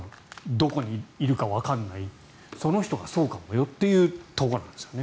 どこにいるかわからないその人がそうかもよというところなんですね。